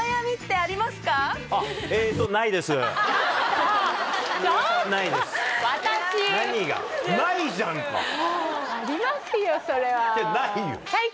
ありますよそれは。